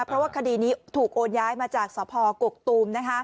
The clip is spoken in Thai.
เพราะว่าคดีนี้ถูกโอนย้ายมาจากสพกกตูม